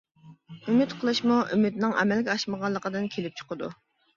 ئۈمىد قىلىشمۇ ئۈمىدنىڭ ئەمەلگە ئاشمىغانلىقىدىن كېلىپ چىقىدۇ.